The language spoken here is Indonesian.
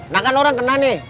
nah kan orang kena nih